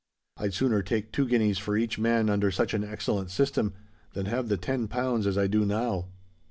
I'd sooner take two guineas for each man under such an excellent system, than have the ten pounds as I do now."